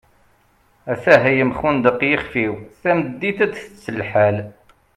at-ah yemxudneq yixef-iw, tameddit ad tett lḥal